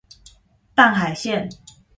淡海線